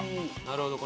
なるほど。